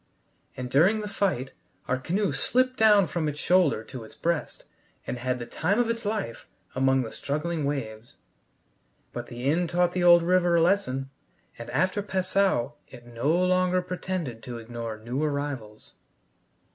And during the fight our canoe slipped down from its shoulder to its breast, and had the time of its life among the struggling waves. But the Inn taught the old river a lesson, and after Passau it no longer pretended to ignore new arrivals.